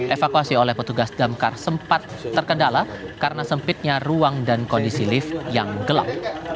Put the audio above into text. evakuasi oleh petugas damkar sempat terkendala karena sempitnya ruang dan kondisi lift yang gelap